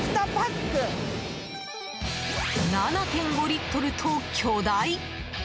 ７．５リットルと巨大！